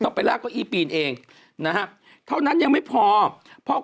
ต้องไปราก้ออี้ปีนเองนะครับเท่านั้นยังไม่พอเพราะ